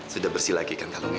sudah bersih lagi kan kalungnya